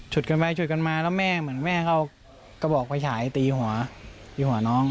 ฉุดกันไปฉุดกันมาแล้วแม่เหมือนแม่เขาก็บอกไปฉายตีหัวน้อง